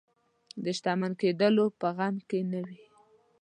د شتمن کېدلو په غم کې نه وي.